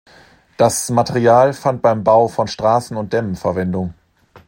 Das Material fand beim Bau von Straßen und Dämmen Verwendung.